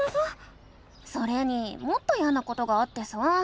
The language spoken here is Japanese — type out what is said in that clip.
それにもっといやなことがあってさ。